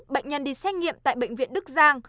bệnh nhân đi xét nghiệm tại bệnh viện đức giang